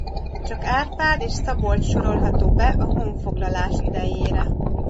Csak Árpád és Szabolcs sorolható be a honfoglalás idejére.